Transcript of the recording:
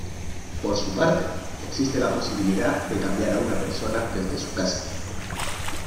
Por su parte, existe la posibilidad de cambiar a una persona desde su casa.